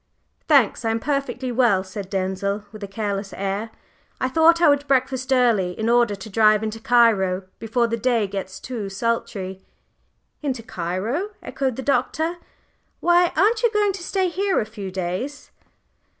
"Thanks, I am perfectly well," said Denzil, with a careless air. "I thought I would breakfast early in order to drive into Cairo before the day gets too sultry." "Into Cairo!" echoed the Doctor. "Why, aren't you going to stay here a few days?"